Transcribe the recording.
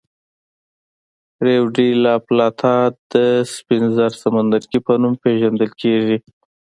ریو ډي لا پلاتا د سپین زر سمندرګي په نوم پېژندل کېږي.